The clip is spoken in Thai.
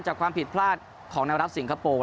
จากความผิดพลาดของแนวรับสิงคโปร์